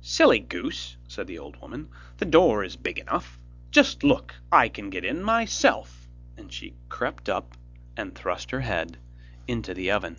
'Silly goose,' said the old woman. 'The door is big enough; just look, I can get in myself!' and she crept up and thrust her head into the oven.